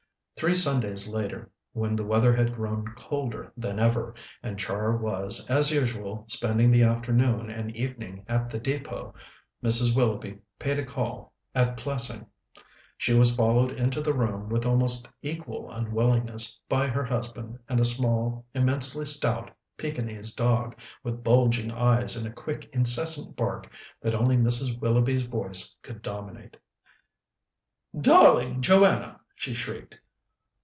Three Sundays later, when the weather had grown colder than ever, and Char was, as usual, spending the afternoon and evening at the Depôt, Mrs. Willoughby paid a call at Plessing. She was followed into the room, with almost equal unwillingness, by her husband and a small, immensely stout Pekinese dog, with bulging eyes and a quick, incessant bark that only Mrs. Willoughby's voice could dominate. "Darling Joanna!" she shrieked.